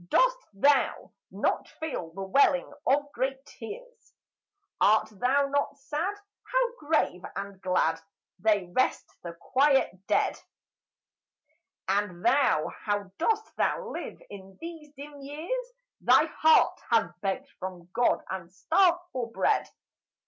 Dost thou not feel the welling of great tears ? Art thou not sad ? How grave and glad They rest, the quiet dead j And thou how dost thou live in these dim years ? Thy heart has begged from God and starved for bread.